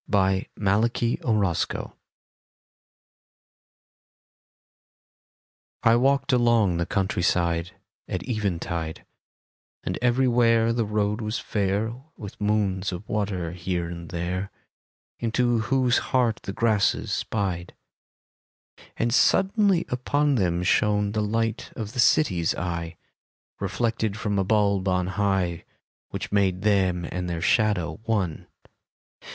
18 REFLECTIONS I walked along the countryside At eventide, And everywhere The road was fair With moons of water here and there, Into whose heart the grasses spied. And suddenly upon them shone The light of the City's eye, Reflected from a buib on high. Which made them and their shadow one.